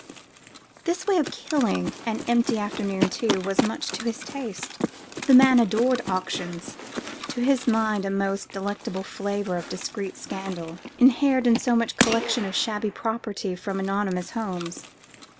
This way of killing an empty afternoon, too, was much to his taste. The man adored auctions. To his mind a most delectable flavour of discreet scandal inhered in such collections of shabby properties from anonymous homes.